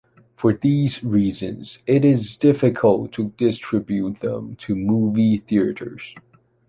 For these reasons, it is difficult to distribute them to movie theaters.